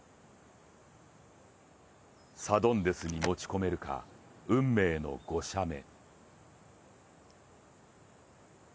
サドンデスに持ち込めるか、運命の５射目。